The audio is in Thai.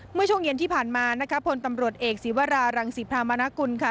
เมื่อช่วงเย็นที่ผ่านมานะคะพลตำรวจเอกศีวรารังศิพรามณกุลค่ะ